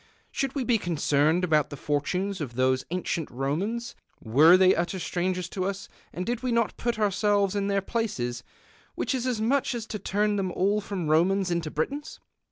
Should we be concerned about the fortunes of those ancient Romans were they utter strangers to us and did we not put ourselves in their places, which is as much as to turn them all from Romans into Britons